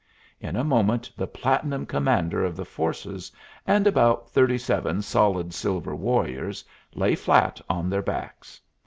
In a moment the platinum commander of the forces, and about thirty seven solid silver warriors, lay flat on their backs.